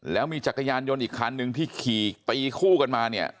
แล้วมีจักรยานยนต์อีกคันนึงที่ขี่ตีคู่กันมาเนี่ย